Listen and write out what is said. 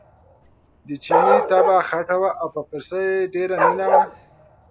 د چیني طبعه خټه وه او په پسه یې ډېره مینه وه.